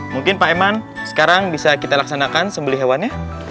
mungkin pak eman sekarang bisa kita laksanakan sembelih hewan ya